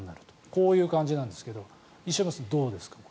こういう感じなんですけど石山さん、どうですか。